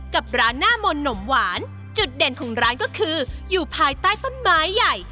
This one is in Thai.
กับร้านหน้ามนต์หนมหวานจุดเด่นของร้านก็คืออยู่ภายใต้ต้นไม้ใหญ่